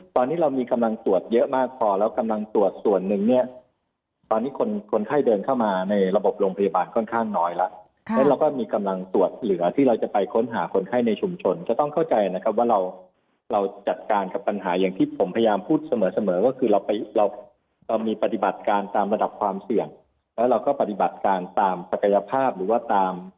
ตอนนี้เรามีกำลังตรวจเยอะมากพอแล้วกำลังตรวจส่วนหนึ่งเนี่ยตอนนี้คนคนไข้เดินเข้ามาในระบบโรงพยาบาลค่อนข้างน้อยแล้วแล้วเราก็มีกำลังตรวจเหลือที่เราจะไปค้นหาคนไข้ในชุมชนจะต้องเข้าใจนะครับว่าเราเราจัดการกับปัญหาอย่างที่ผมพยายามพูดเสมอเสมอก็คือเราไปเราเรามีปฏิบัติการตามระดับความเสี่ยงแล้วเราก็ปฏิบัติการตามศักยภาพหรือว่าตาม